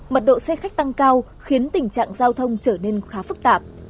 mật độ xe khách tăng cao khiến tình trạng giao thông trở nên khá phức tạp